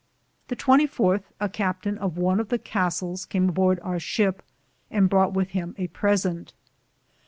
The 24 a Captaine of one of the Castels came aborde our shipp, and broughte with him a presente.